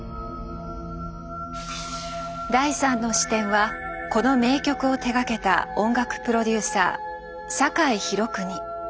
第３の視点はこの名曲を手がけた音楽プロデューサー境弘邦。